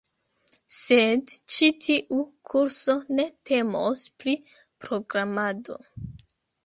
sed ĉi tiu kurso ne temos pri programado